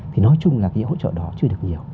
thì nói chung là cái hỗ trợ đó chưa được nhiều